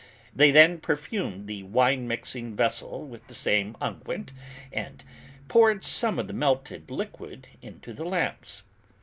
They then perfumed the wine mixing vessel with the same unguent and poured some of the melted liquid into the lamps.